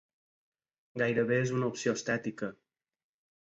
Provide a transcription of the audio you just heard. Gairebé és una opció estètica.